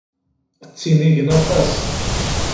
Ttinigen aṭas.